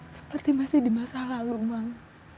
seperti masih di masa lalu bang